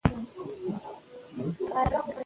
نوم یې به په زرینو کرښو لیکل سوی وي.